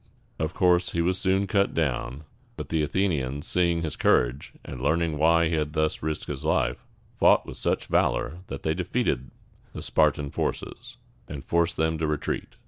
Of course, he was soon cut down; but the Athenians, seeing his courage, and learning why he had thus risked his life, fought with such valor that they defeated the Spar´tan forces, and forced them to retreat.